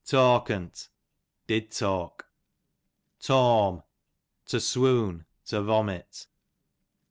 Tawkn't, did talk. Tawm, to swoon, to vomit.